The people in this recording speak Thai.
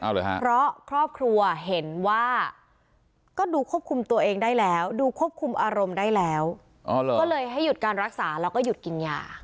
เพราะครอบครัวเห็นว่าก็ดูควบคุมตัวเองได้แล้วดูควบคุมอารมณ์ได้แล้วก็เลยให้หยุดการรักษาแล้วก็หยุดกินยา